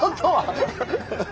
ハハハ。